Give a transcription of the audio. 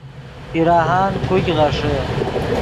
پیراہان کوګ غیݰے